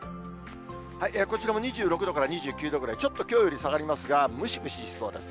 こちらも２６度から２９度ぐらい、ちょっときょうより下がりますが、ムシムシしそうです。